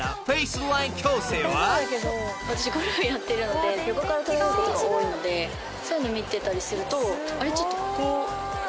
私ゴルフやってるので横から撮られることが多いのでそういうの見てたりするとちょっとここライン出てるかな？